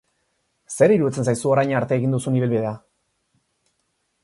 Zer iruditzen zaizu orain arte egin duzun ibilbidea?